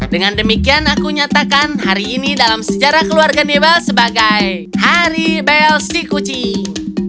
dengan demikian aku menyatakan hari ini dalam sejarah keluarga nebel sebagai hari belle sikucing